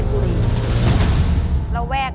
สวัสดีครับ